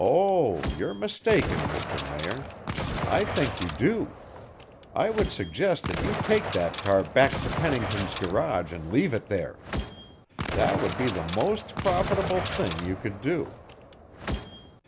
"Oh, you're mistaken, Mr. Mayor. I think you do. I would suggest that you take that car back to Pennington's garage and leave it there. That would be the most profitable thing you could do."